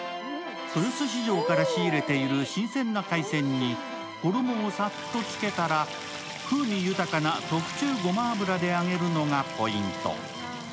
豊洲市場から仕入れている新鮮な海鮮に衣をさっとつけたら風味豊かな特注ごま油で揚げるのがポイント。